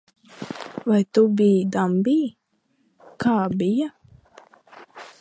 Vai tu biji dambī? Kā bija?